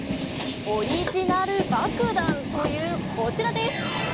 オリジナルばくだんというこちらです。